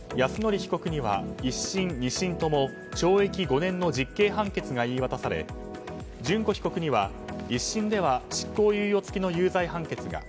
被告には１審２審とも懲役５年の実刑判決が言い渡され諄子被告には１審では執行猶予付きの有罪判決が。